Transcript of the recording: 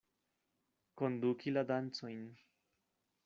Konduki la dancojn.